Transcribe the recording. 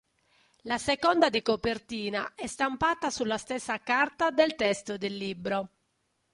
La seconda di copertina è stampata sulla stessa carta del testo del libro.